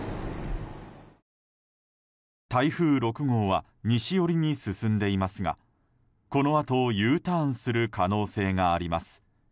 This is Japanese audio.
台風６号は西寄りに進んでいますがこのあとＵターンする可能性があります。